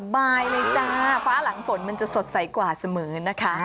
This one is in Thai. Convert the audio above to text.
บายเลยจ้าฟ้าหลังฝนมันจะสดใสกว่าเสมอนะคะ